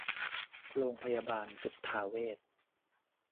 โรงพยาบาลสุทธาเวช